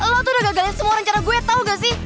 lo tuh udah gagal semua rencana gue tau gak sih